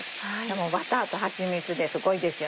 バターとはちみつですごいですよね。